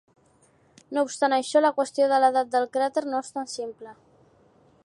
No obstant això, la qüestió de l'edat del cràter no és tan simple.